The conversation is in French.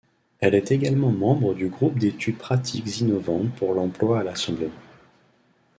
Elle est également membre du groupe d'études pratiques innovantes pour l'emploi à l'Assemblée.